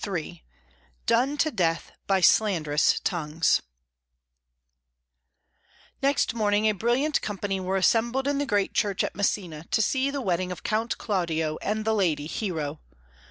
] "Done to Death by Slanderous Tongues" Next morning a brilliant company were assembled in the great church at Messina to see the wedding of Count Claudio and the lady Hero.